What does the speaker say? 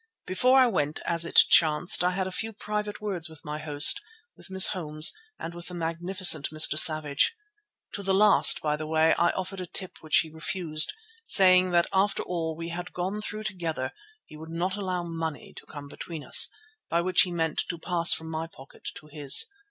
Before I went, as it chanced, I had a few private words with my host, with Miss Holmes, and with the magnificent Mr. Savage. To the last, by the way, I offered a tip which he refused, saying that after all we had gone through together he could not allow "money to come between us," by which he meant, to pass from my pocket to his.